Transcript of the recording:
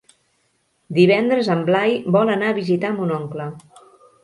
Divendres en Blai vol anar a visitar mon oncle.